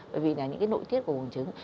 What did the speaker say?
bởi vì là những cái nội tiết của bùng trứng